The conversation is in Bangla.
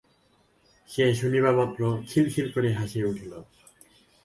সে শুনিবামাত্র খিল খিল করিয়া হাসিয়া উঠিল।